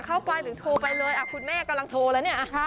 เข้าไปหรือโทรไปเลยคุณแม่กำลังโทรแล้วเนี่ย